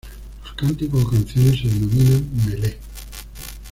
Los cánticos o canciones se denominan "mele".